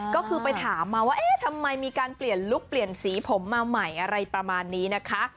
ก็คือไปถามมาว่าเอ๊ะทำไมมีการเปลี่ยนลุคเปลี่ยนสีผมมาใหม่อะไรประมาณนี้นะคะ